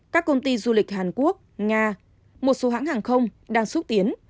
các công ty du lịch hàn quốc nga một số hãng hàng không đang xúc tiến